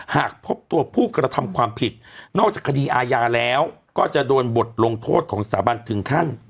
หากพบตัวผู้กระทำความผิดนอกจากคดีอาญาแล้วก็จะโดนบทลงโทษของสถาบันถึงขั้น